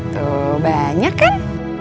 tuh banyak kan